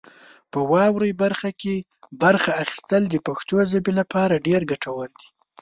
په واورئ برخه کې برخه اخیستل د پښتو ژبې لپاره ډېر ګټور دي.